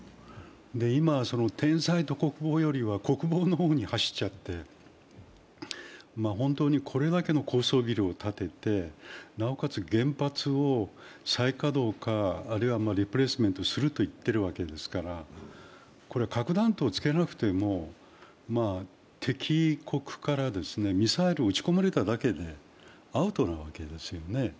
今、天災と国防よりは国防の方に走っていて、本当にこれだけの高層ビルを建ててなおかつ原発を再稼働かあるいはリプレ−スメントすると言っているわけですから核弾頭をつけなくても敵国からミサイルを撃ち込まれただけでアウトなわけですよね。